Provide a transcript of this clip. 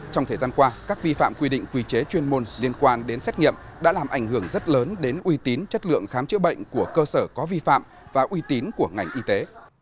trong thời gian qua các vi phạm quy định quy chế chuyên môn liên quan đến xét nghiệm đã làm ảnh hưởng rất lớn đến uy tín chất lượng khám chữa bệnh của cơ sở có vi phạm và uy tín của ngành y tế